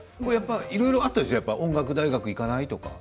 あったでしょう、音楽大学に行かない？とか。